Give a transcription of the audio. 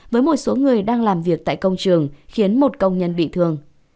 với một số người đang làm việc tại công trường khiến một công nhân bị thương